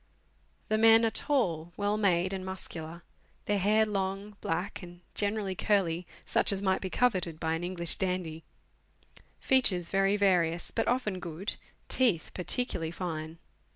The men are tall, well made, and muscular ; their hair long, black, and generally curly (such as might be coveted by an English dandy) ; features very various, but often good ; teeth particularly fine.